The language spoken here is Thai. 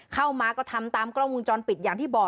เข้ามาก็ทำตามกล้องวงจรปิดอย่างที่บอก